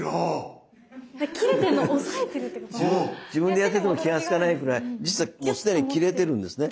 自分でやってても気がつかないくらい実はもう既に切れてるんですね。